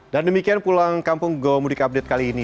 demikian pulang kampung go mudik update kali ini